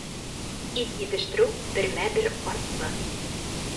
Ит етештереү бермә-бер артты.